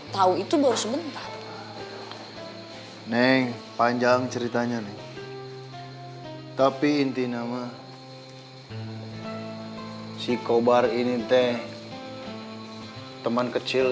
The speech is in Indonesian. tahu itu baru sebentar neng panjang ceritanya nih tapi inti nama si kobar ini teh teman kecil